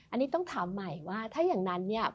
อันนี้ต้องถามใหม่ว่าถ้าอย่างนั้นเนี่ย